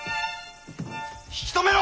引き止めろ！